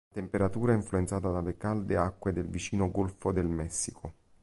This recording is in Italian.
La temperatura è influenzata dalle calde acque del vicino Golfo del Messico.